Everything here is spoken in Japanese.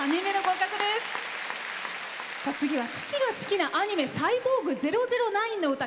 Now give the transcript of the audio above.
次は父が好きなアニメ「サイボーグ００９」の歌。